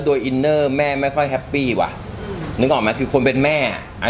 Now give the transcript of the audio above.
โดยอินเนอร์แม่ไม่ค่อยแฮปปี้ว่ะนึกออกไหมคือคนเป็นแม่อ่ะ